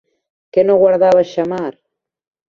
Què no guardava Xammar?